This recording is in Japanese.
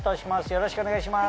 よろしくお願いします。